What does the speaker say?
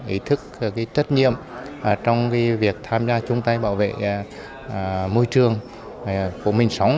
ý thức trách nhiệm trong việc tham gia chung tay bảo vệ môi trường của mình sống